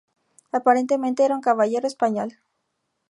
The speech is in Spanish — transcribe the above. Aparentemente era un caballero español.